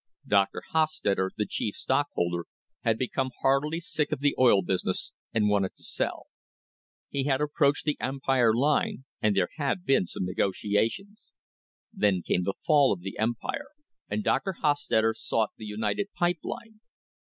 Dr. Hostetter, the chief stockholder, had become heartily sick of the oil business and wanted to sell. He had [ 194] STRENGTHENING THE FOUNDATIONS approached the Empire Line, and there had been some negoti ations. Then came the fall of the Empire and Dr. Hostetter sought the United Pipe Line.